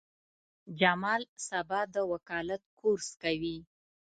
جمال سبا د وکالت کورس کوي.